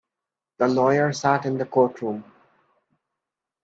The lawyer sat in the courtroom.